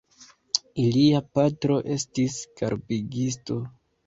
Ilia patro estis karbigisto.